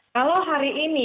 kalau hari ini